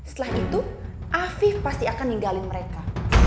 setelah itu afif pasti akan ninggalin mereka